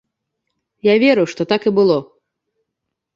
Я веру, што так і было.